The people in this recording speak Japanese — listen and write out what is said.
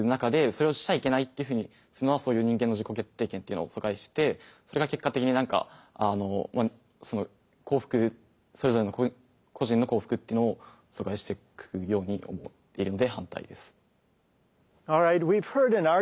それをしちゃいけないっていうふうにするのはそういう人間の自己決定権っていうのを疎外してそれが結果的になんかそれぞれの個人の幸福っていうのを阻害していくように思っているので反対です。